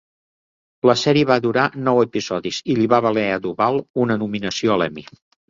La sèrie va durar nou episodis i li va valer a Duvall una nominació a l'Emmy.